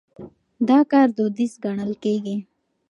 دا کار دوديز ګڼل کېږي.